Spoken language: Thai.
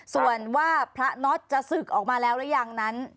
ส่วนว่าพระน็อตจะศึกออกมาแล้วหรือยังนั้น